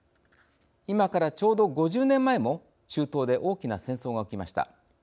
今からちょうど５０年前も中東で大きな戦争が起きました。